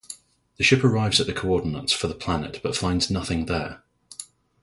The ship arrives at the coordinates for the planet but finds nothing there.